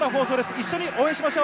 一緒に応援しましょう。